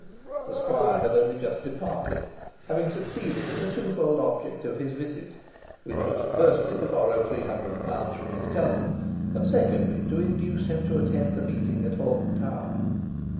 The squire had only just departed, having succeeded in the twofold object of his visit which was, firstly, to borrow three hundred pounds from his cousin and, secondly, to induce him to attend the meeting at Hoghton Tower.